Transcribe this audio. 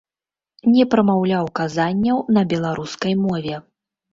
Не прамаўляў казанняў на беларускай мове.